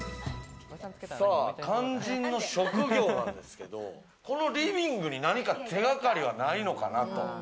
肝心の職業なんですけど、このリビングに何か手がかりはないのかなと。